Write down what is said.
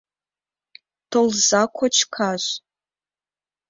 Толза кочкаш.